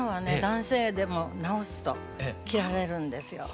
男性でも直すと着られるんですよ。